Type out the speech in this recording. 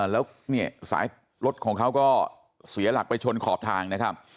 แล้วเนี่ยสายรถของเขาก็เสียหลักไปชนขอบทางนะครับ